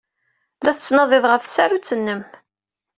La tettnadiḍ ɣef tsarut-nnem.